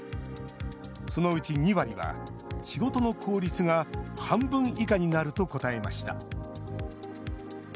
そのうち２割は、仕事の効率が半分以下になると答えました。